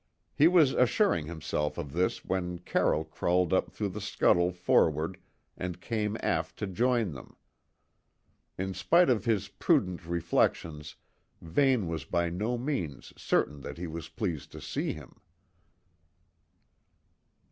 He was assuring himself of this when Carroll crawled up through the scuttle forward and came aft to join them. In spite of his prudent reflections, Vane was by no means certain that he was pleased to see him.